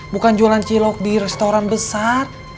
bukan jualan cilok di restoran besar